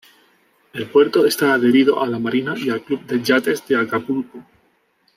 El puerto está adherido a la Marina y al Club de Yates de Acapulco.